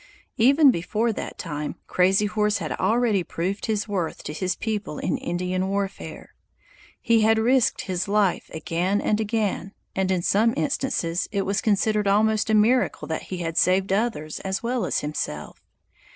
Even before that time, Crazy Horse had already proved his worth to his people in Indian warfare. He had risked his life again and again, and in some instances it was considered almost a miracle that he had saved others as well as himself.